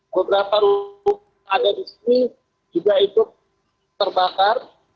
beberapa rumput yang ada di sini juga itu terbakar